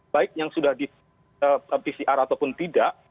baik yang sudah di pcr ataupun tidak